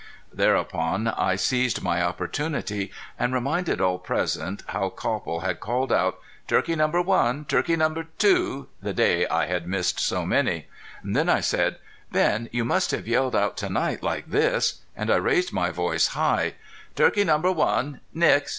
Thereupon I seized my opportunity and reminded all present how Copple had called out: "Turkey number one! Turkey number two!" the day I had missed so many. Then I said: "Ben, you must have yelled out to night like this." And I raised my voice high. "Turkey number one Nix!...